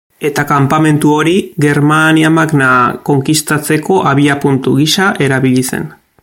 Eta kanpamentu hori, Germania Magna konkistatzeko abiapuntu gisa erabili zen.